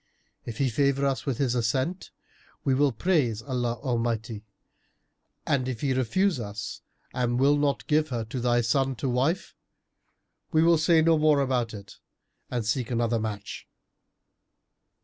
If he favour us with his assent, we will praise Allah Almighty; and if he refuse us and will not give her to thy son to wife, we will say no more about it and seek another match."